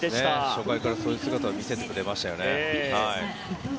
初回からそういう姿を見せてくれましたね。